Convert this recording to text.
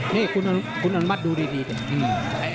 เนี่ยคุณอนุมัติดูดีเนี่ย